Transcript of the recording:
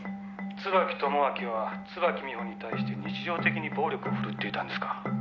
「椿友章は椿美穂に対して日常的に暴力をふるっていたんですか？」